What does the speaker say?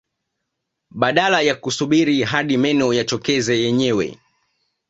Badala ya kusubiri hadi meno yatokeze yenyewe